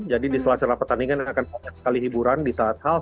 jadi di sela sela pertandingan akan banyak sekali hiburan di saat halftime